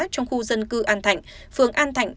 trong khu dân cư an thạnh phường an thạnh